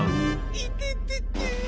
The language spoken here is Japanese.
いてててて。